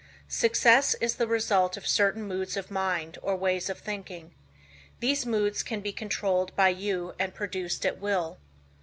Success is the result of certain moods of mind or ways of thinking. These moods can be controlled by you and produced at will.